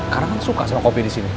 karena kan suka sama kopi disini